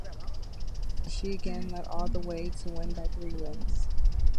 She again led all the way to win by three lengths.